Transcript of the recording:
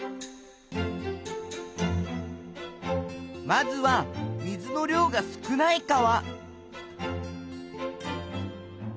まずは水の量が少ない川。